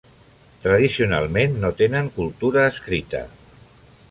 Tradicionalment no tenen cultura escrita.